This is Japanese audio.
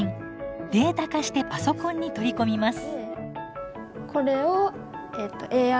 データ化してパソコンに取り込みます。